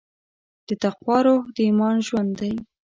د تقوی روح د ایمان ژوند دی.